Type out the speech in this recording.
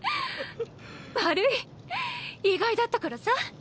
⁉悪い意外だったからさ。